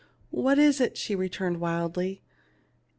" What is it ?" she returned, wildly.